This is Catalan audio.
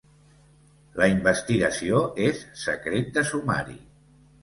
La investigació és secret de sumari.